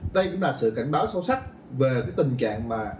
đây cũng là sự cảnh báo sâu sắc về cái tình trạng mà